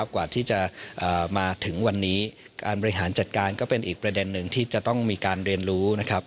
กว่าที่จะมาถึงวันนี้การบริหารจัดการก็เป็นอีกประเด็นหนึ่งที่จะต้องมีการเรียนรู้นะครับ